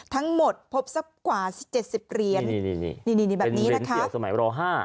ทั้งหมดพบสักกว่าสิบเจ็ดสิบเรียนนี่นี่นี่นี่แบบนี้นะครับเป็นเรียนเสี่ยวสมัยรอห้า